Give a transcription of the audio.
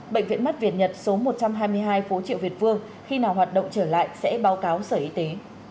bệnh viện mắt việt nhật số một trăm hai mươi hai phố triệu việt vương khi nào hoạt động trở lại sẽ báo cáo sở y tế